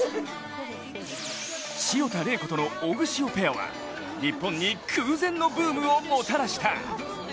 潮田玲子とのオグシオペアは日本に空前のブームをもたらした。